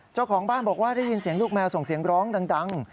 เจ้าของบ้านบอกว่าได้ยินเสียงลูกแมวส่งเสียงร้องดัง